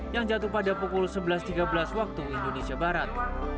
yang jatuh pada pukul sebelas tiga belas waktu indonesia barat